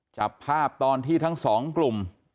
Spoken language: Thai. จับภาพตอนที่ทั้งสองกลุ่ม